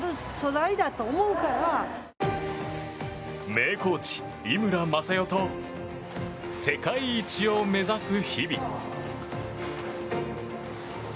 名コーチ、井村雅代と世界一を目指す日々。